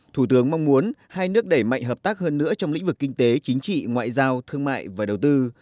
thủ tướng mong muốn hai nước đẩy mạnh hợp tác hơn nữa trong lĩnh vực kinh tế chính trị ngoại giao thương mại và đầu tư